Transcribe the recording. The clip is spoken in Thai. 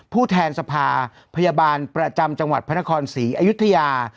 แทนสภาพยาบาลประจำจังหวัดพระนครศรีอยุธยา